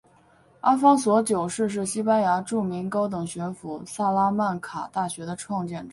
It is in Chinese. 阿方索九世是西班牙著名高等学府萨拉曼卡大学的创建者。